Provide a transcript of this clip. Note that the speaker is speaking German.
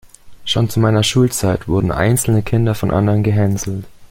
Schon zu meiner Schulzeit wurden einzelne Kinder von anderen gehänselt.